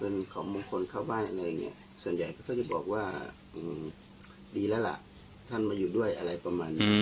เป็นของมงคลเข้าบ้านอะไรเนี่ยส่วนใหญ่เขาก็จะบอกว่าดีแล้วล่ะท่านมาอยู่ด้วยอะไรประมาณนี้